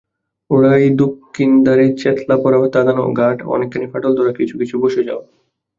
ওরই দক্ষিণ-ধারে ছ্যাৎলা-পড়া বাঁধানো ঘাট, অনেকখানি ফাটল-ধরা, কিছু কিছু বসে-যাওয়া।